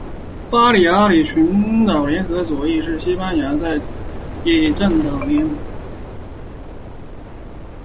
巴利阿里群岛联合左翼是西班牙左翼政党联盟联合左翼在巴利阿里群岛的分支。